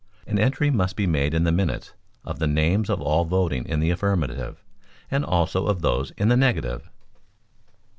An entry must be made in the minutes of the names of all voting in the affirmative, and also of those in the negative.